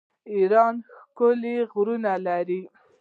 ایران ښکلي غرونه لري.